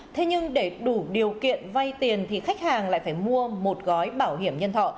thế nhưng để đủ điều kiện vay tiền thì khách hàng lại phải mua một gói bảo hiểm nhân thọ